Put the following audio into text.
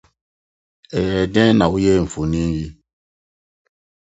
Ɛyɛɛ dɛn na woyɛɛ mfonini yi?